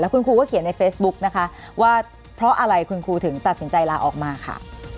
คุณครูก็เขียนในเฟซบุ๊กนะคะว่าเพราะอะไรคุณครูถึงตัดสินใจลาออกมาค่ะ